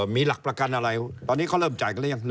มีหลักประกันอะไรตอนนี้เขาเริ่มจ่ายกันหรือยัง